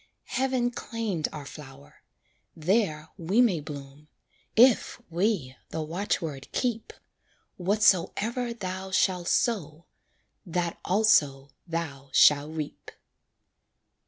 Heaven claimed our flower there we may bloom, If we the watchword keep: "Whatsoever thou shall sow, That also thou shall reap."